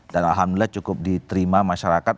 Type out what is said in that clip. dan alhamdulillah cukup diterima masyarakat